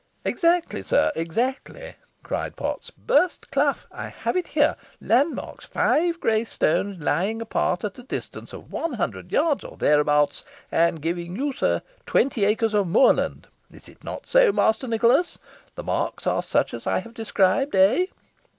"Exactly, sir exactly," cried Potts; "Burst Clough I have it here landmarks, five grey stones, lying apart at a distance of one hundred yards or thereabouts, and giving you, sir, twenty acres of moor land. Is it not so, Master Nicholas? The marks are such as I have described, eh?"